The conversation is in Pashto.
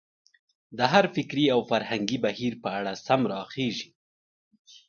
د هر فکري او فرهنګي بهیر په اړه سم راخېژي.